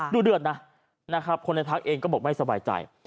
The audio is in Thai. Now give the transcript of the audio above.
ด้วยเดือดนะคนในพักษณ์เองก็บอกไม่สบายใจ